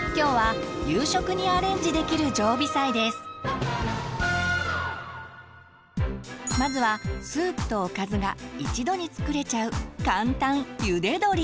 今日はまずはスープとおかずが一度に作れちゃう簡単「ゆで鶏」。